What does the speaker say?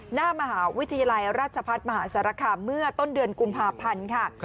หน้ามหาวิทยาลัยราชพัฒน์มหาสารคามเมื่อต้นเดือนกุมภาพันธ์ค่ะ